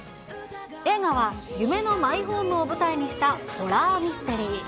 映画は夢のマイホームを舞台にしたホラーミステリー。